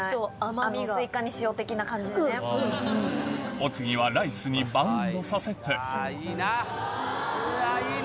お次はライスにバウンドさせてあぁいいな！